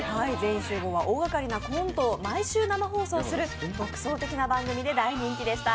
大がかりなコントを毎週を生放送する独創的な番組で大人気でした。